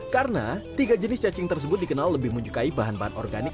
karena tiga jenis cacing tersebut dikenal lebih menyukai bahan bahan organik